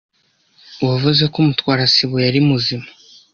Wavuze ko Mutwara sibo yari muzima.